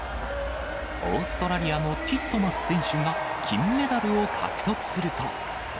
オーストラリアのティットマス選手が金メダルを獲得すると。